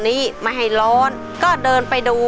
นี้ไม่ให้ร้อนก็เดินไปดู